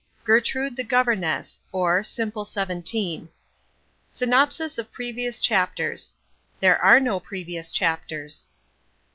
Gertrude the Governess: or, Simple Seventeen Synopsis of Previous Chapters: _There are no Previous Chapters.